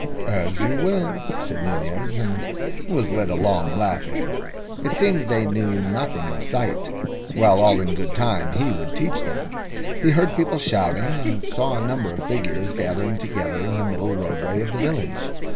"As you will," said Nunez, and was led along, laughing. It seemed they knew nothing of sight. Well, all in good time he would teach them. He heard people shouting, and saw a number of figures gathering together in the middle roadway of the village.